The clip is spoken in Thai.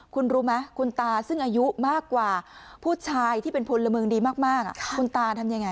คุณรู้ไหมคุณตาซึ่งอายุมากกว่าผู้ชายที่เป็นพลเมืองดีมากคุณตาทำยังไง